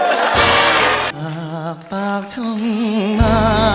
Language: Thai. หากปากช่องมา